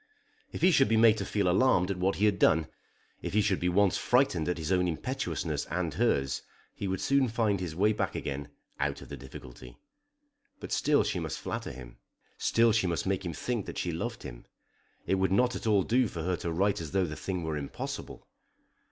If he should be made to feel alarmed at what he had done, if he should be once frightened at his own impetuousness and hers, he would soon find his way back again out of the difficulty. But still she must flatter him, still she must make him think that she loved him. It would not at all do for her to write as though the thing were impossible.